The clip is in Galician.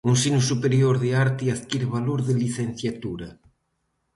O ensino superior de arte adquire valor de licenciatura